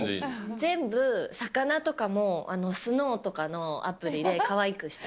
全部、魚とかもスノーとかのアプリでかわいくした。